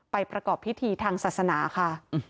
ประกอบพิธีทางศาสนาค่ะ